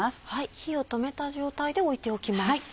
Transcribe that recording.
火を止めた状態で置いておきます。